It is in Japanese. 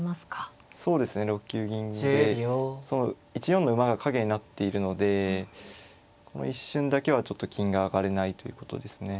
１四の馬が陰になっているのでこの一瞬だけはちょっと金が上がれないということですね。